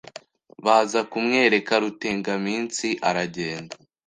baza kumwereka Rutegaminsi aragenda